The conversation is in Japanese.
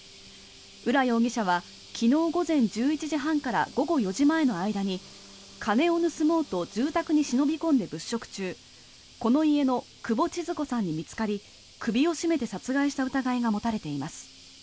浦容疑者は昨日午前１１時半から午後４時前の間に金を盗もうと住宅に忍び込んで物色中この家の久保千鶴子さんに見つかり首を絞めて殺害した疑いが持たれています。